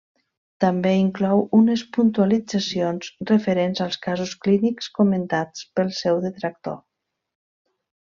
També inclou unes puntualitzacions referents als casos clínics comentats pel seu detractor.